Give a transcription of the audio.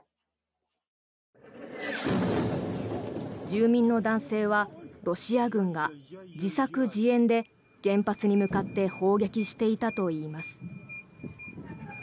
住民の男性はロシア軍が自作自演で原発に向かって砲撃していたといいます。